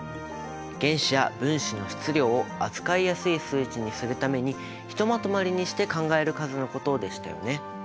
原子や分子の質量を扱いやすい数値にするためにひとまとまりにして考える数のことでしたよね。